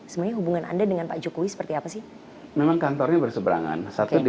semuanya hubungan anda dengan pak jokowi seperti apa sih memang kantornya berseberangan satu di